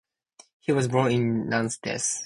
He was born in Nantes.